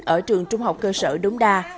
ở trường trung học cơ sở đống đa